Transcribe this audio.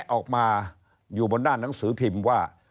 ออกมาอยู่บนด้านหนังสือพิมพ์ว่า